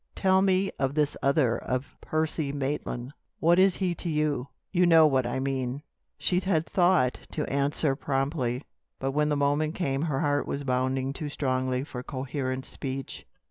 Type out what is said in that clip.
Tell me of this other of Percy Maitland. What is he to you? You know what I mean." She had thought to answer promptly, but when the moment came her heart was bounding too strongly for coherent speech.